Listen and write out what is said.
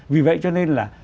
vì vậy cho nên là